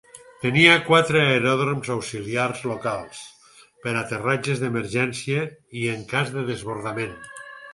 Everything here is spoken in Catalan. Tenia quatre aeròdroms auxiliars locals per a aterratges d'emergència i en cas de desbordament.